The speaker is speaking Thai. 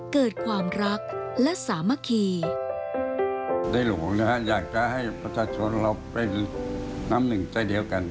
เกิดความรักและสามัคคี